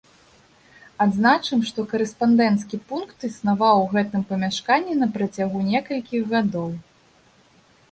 Адзначым, што карэспандэнцкі пункт існаваў у гэтым памяшканні на працягу некалькіх гадоў.